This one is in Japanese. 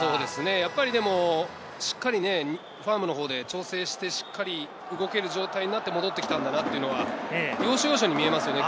やっぱりしっかりファームのほうで調整して、しっかり動ける状態になって戻ってきたんだなと、要所要所に見えますね。